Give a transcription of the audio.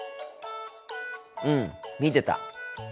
うん見てた。